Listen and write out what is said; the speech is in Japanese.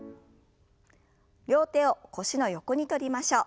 両手を腰の横に取りましょう。